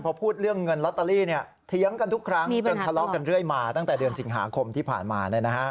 พอพูดเรื่องเงินลอตเตอรี่เถียงกันทุกครั้งจนทะเลาะกันเรื่อยมาตั้งแต่เดือนสิงหาคมที่ผ่านมา